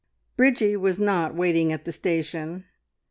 Bridgie was not waiting at the station.